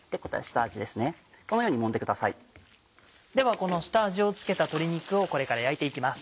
この下味を付けた鶏肉をこれから焼いて行きます。